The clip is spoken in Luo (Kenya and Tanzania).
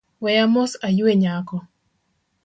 Weya mos ayue nyako